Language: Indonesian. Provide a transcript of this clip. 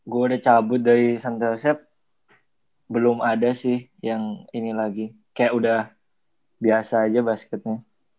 gue udah cabut dari centersep belum ada sih yang ini lagi kayak udah biasa aja basketnya